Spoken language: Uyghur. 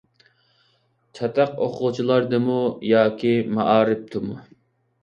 چاتاق ئوقۇغۇچىلاردىمۇ ياكى مائارىپتىمۇ؟